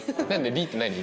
「り」って何？